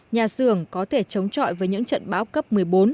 nhà xưởng có thể chống trọi với những trận bão cấp một mươi bốn một mươi năm